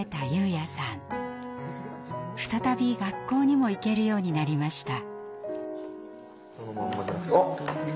再び学校にも行けるようになりました。